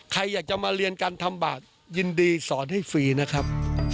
ใครอยากจะมาเรียนการทำบาทยินดีสอนให้ฟรีนะครับ